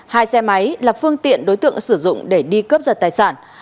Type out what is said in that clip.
hai xe máy là phương tiện đối tượng sử dụng để đi cướp giật tài sản